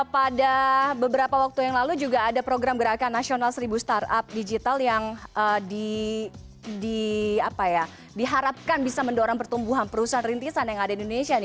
pada beberapa waktu yang lalu juga ada program gerakan nasional seribu startup digital yang diharapkan bisa mendorong pertumbuhan perusahaan rintisan yang ada di indonesia